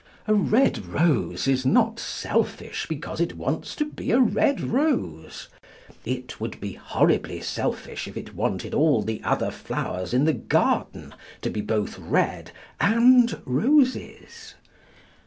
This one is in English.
A red rose is not selfish because it wants to be a red rose. It would be horribly selfish if it wanted all the other flowers in the garden to be both red and roses.